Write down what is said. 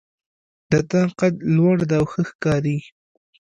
د تا قد لوړ ده او ښه ښکاري